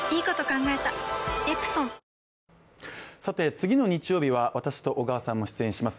次の日曜日は私と小川さんも出演します